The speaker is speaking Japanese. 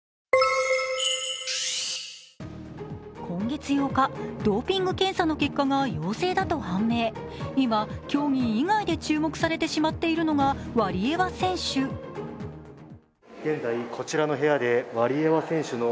今月８日、ドーピング検査の結果が陽性だと判明、今、競技以外で注目されてしまっているのがワリエワ選手。